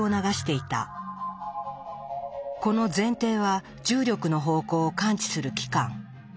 この前庭は重力の方向を感知する器官。